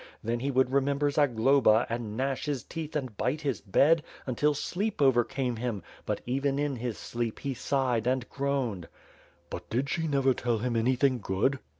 Then, he would remember Zagloba and gnash his teeth and bite his . bed, until sleep overcame him; but even in his sleep he sighed and. groaned." "But did she never tell him anything good?"